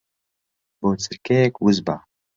بۆ چرکەیەک وس بە.